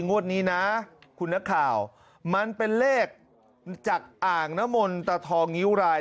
งวดนี้นะคุณฆ่ามันเป็นเลขจากอ่างนมลตาทองยวราย